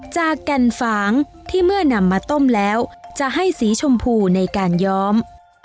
แก่นฝางที่เมื่อนำมาต้มแล้วจะให้สีชมพูในการย้อม